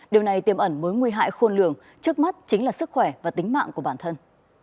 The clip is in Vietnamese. điều này tiêm ẩn mối nguy hại khôn lường trước mắt chính là sức khỏe và tính mạng của bản thân